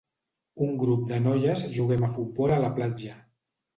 Un grup de noies juguem a futbol a la platja.